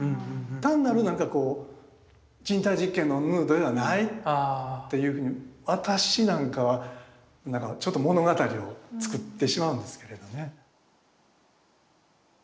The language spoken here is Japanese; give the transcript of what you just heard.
単なる人体実験のヌードではないっていうふうに私なんかはちょっと物語を作ってしまうんですけれどね。